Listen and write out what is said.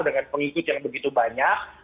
dengan pengikut yang begitu banyak